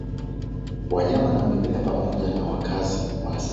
wanyama na mimea pamoja na wakazi wa asili